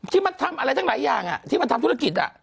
ที่มันทำอะไรทั้งหลายอย่างที่มันทำธุรกิจ